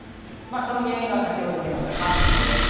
その原因が先ほどみました寒気の様子。